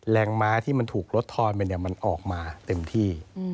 แรงม้าที่มันถูกลดทอดไปเนี่ยมันออกมาเต็มที่